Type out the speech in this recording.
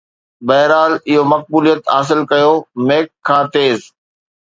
بهرحال، اهو مقبوليت حاصل ڪيو Mac کان تيز